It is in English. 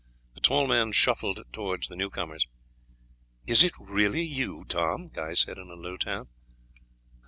The tall man shuffled towards the new comers. "Is it really you, Tom?" Guy said in a low tone.